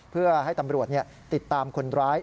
เพื่อให้ตำรวจติดตามคนร้าย